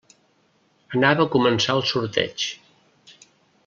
Anava a començar el sorteig.